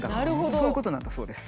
そういうことなんだそうです。